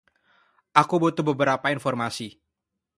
Aku butuh beberapa informasi.